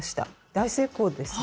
大成功ですね。